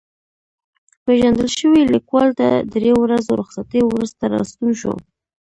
پېژندل شوی لیکوال تر درې ورځو رخصتۍ وروسته راستون شو.